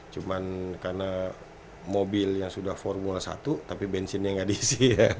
cuma karena mobilnya sudah formula satu tapi bensinnya nggak diisi ya